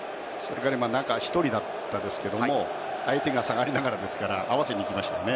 中、１人だったんですが相手が下がりながらですから合わせに行きましたね。